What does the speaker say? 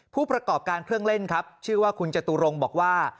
ผู้ประกอบการเครื่องเล่นครับชื่อว่าคุณจตุรงค์บอกว่า